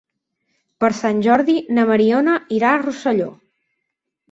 Per Sant Jordi na Mariona irà a Rosselló.